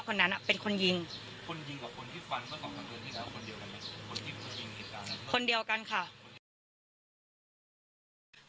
คนนั้นอ่ะเป็นคนยิงคนยิงกับคนที่ฟันคนเดียวกันคนเดียวกันค่ะ